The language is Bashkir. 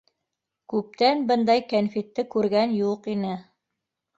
Күптән бындай кәнфитте күргән юҡ ине.